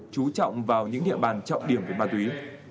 chú trọng vào những địa bàn trọng điểm về ma túy